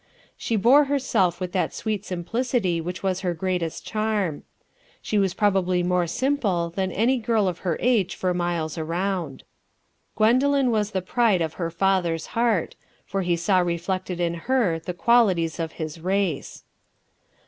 She bore herself with that sweet simplicity which was her greatest charm. She was probably more simple than any girl of her age for miles around. Gwendoline was the pride of her father's heart, for he saw reflected in her the qualities of his race.